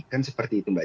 kan seperti itu mbak